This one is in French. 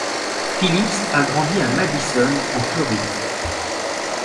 Phillips a grandi à Madison en Floride.